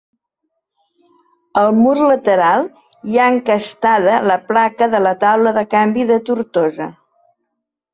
Al mur lateral hi ha encastada la placa de la taula de canvi de Tortosa.